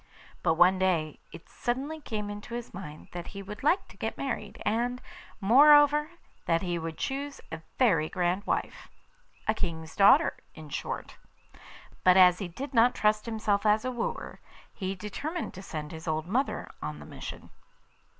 But one day it suddenly came into his mind that he would like to get married, and, moreover, that he would choose a very grand wife a King's daughter, in short. But as he did not trust himself as a wooer, he determined to send his old mother on the mission.